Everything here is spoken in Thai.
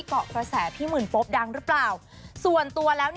เกาะกระแสพี่หมื่นโฟปดังหรือเปล่า